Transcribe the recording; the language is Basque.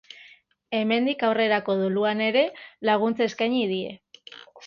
Hemendik aurrerako doluan ere, laguntza eskaini die.